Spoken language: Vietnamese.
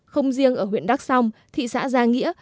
không riêng ở huyện đắc sông thị xã giang nghĩa